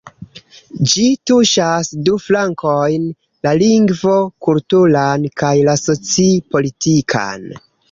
Ĝi tuŝas du flankojn: la lingvo-kulturan kaj la soci-politikan.